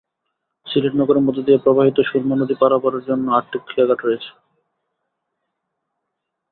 সিলেট নগরের মধ্য দিয়ে প্রবাহিত সুরমা নদী পারাপারের জন্য আটটি খেয়াঘাট রয়েছে।